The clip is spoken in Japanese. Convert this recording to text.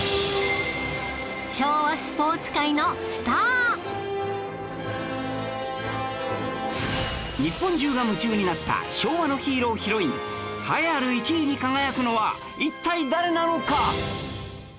昭和日本中が夢中になった昭和のヒーロー＆ヒロイン栄えある１位に輝くのは一体誰なのか？